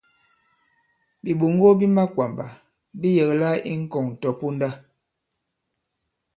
Bìɓoŋgo bi makwàmbà bi yɛ̀kla i ŋkɔ̀ŋ tɔ̀ponda.